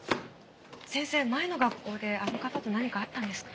先生前の学校であの方と何かあったんですか？